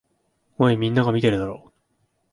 おい、みんなが見てるだろ。